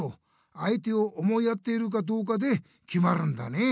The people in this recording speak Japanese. あいてを思いやっているかどうかできまるんだね！